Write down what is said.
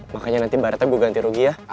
makanya nanti ibaratnya gue ganti rugi ya